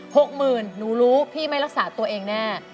หกหมื่นหนูรู้พี่ไม่รักษาตัวเองแน่